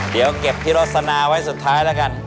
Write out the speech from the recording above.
เดี๋ยวเก็บที่โรสนาไว้สุดท้ายแล้วกัน